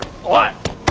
おい！